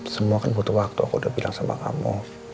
semua kan butuh waktu aku udah bilang sama kamu